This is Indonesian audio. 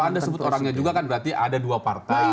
kalau anda sebut orangnya juga kan berarti ada dua partai